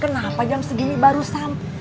kenapa jam segini baru sampai